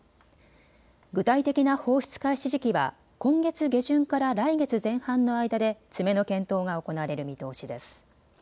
具体的な放出開始時期は今月下旬から来月前半の間で詰めの検討が行われる見通しです。